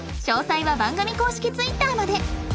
詳細は番組公式ツイッターまで